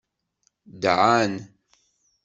Dɛan.